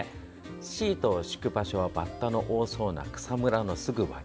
シートを敷く場所はバッタの多そうな草むらのすぐ脇。